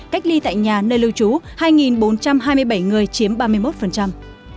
cách ly tại nhà nơi lưu trú hai bốn trăm hai mươi bảy người chiếm ba mươi một